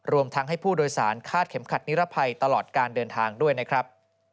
รวมทั้งให้ผู้โดยสารคาดเข็มขัดนิรภัยตลอดการเดินทางด้วยนะครับ